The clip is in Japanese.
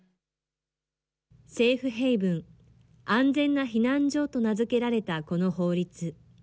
セーフ・ヘイブン、安全な避難所と名付けられたこの法律。